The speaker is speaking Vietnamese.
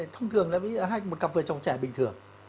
thông thường là một cặp vợ chồng trẻ bình thường